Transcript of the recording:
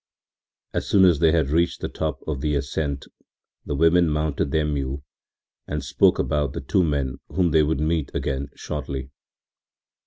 As soon as they had reached the top of the ascent the women mounted their mule and spoke about the two men whom they would meet again shortly.